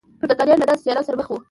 پرتګالیان له داسې سیالانو سره مخ وو.